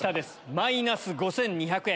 マイナス５２００円。